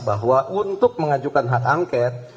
bahwa untuk mengajukan hak angket